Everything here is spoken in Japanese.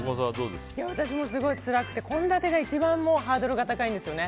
私もすごいつらくて献立が一番ハードルが高いんですよね。